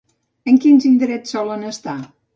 En quins indrets solen estar?